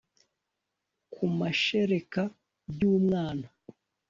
ku mashereka byu mwana